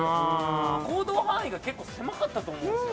行動範囲が結構、狭かったと思うんですよ。